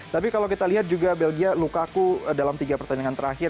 tapi kalau kita lihat juga belgia lukaku dalam tiga pertandingan terakhir